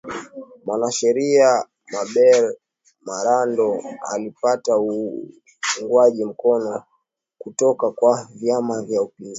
mwanasheria mabere marando alipata uugwaji mkono kutoka kwa vyama vya upinzani